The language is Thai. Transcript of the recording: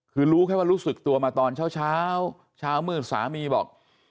คือรู้แค่ว่ารู้สึกตัวมาตอนเช้าเช้ามืดสามีบอก